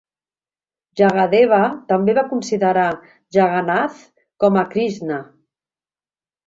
Jayadeva també va considerar Jagannath com a Krishna.